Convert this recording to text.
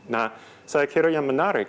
nah saya kira yang menarik